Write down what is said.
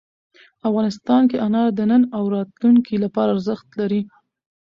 افغانستان کې انار د نن او راتلونکي لپاره ارزښت لري.